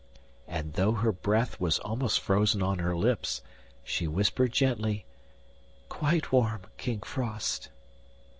And though her breath was almost frozen on her lips, she whispered gently, 'Quite warm, King Frost.